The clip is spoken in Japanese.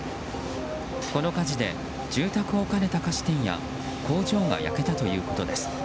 この火事で住宅を兼ねた菓子店や工場が焼けたということです。